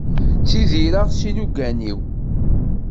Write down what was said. Ttidireɣ s yilugan-iw.